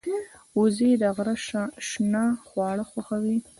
وزې د غره شنه خواړه خوښوي